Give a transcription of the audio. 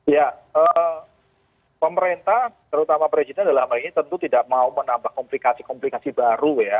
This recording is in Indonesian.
ya pemerintah terutama presiden dalam hal ini tentu tidak mau menambah komplikasi komplikasi baru ya